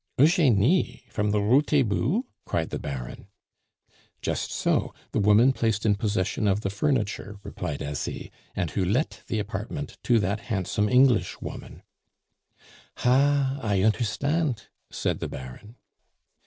"Eugenie, from the Rue Taitbout?" cried the Baron. "Just so; the woman placed in possession of the furniture," replied Asie, "and who let the apartment to that handsome Englishwoman " "Hah! I onderstant!" said the Baron.